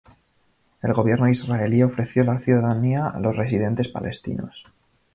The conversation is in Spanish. El gobierno israelí ofreció la ciudadanía a los residentes palestinos.